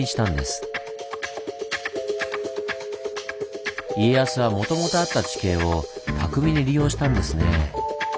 家康はもともとあった地形を巧みに利用したんですねぇ。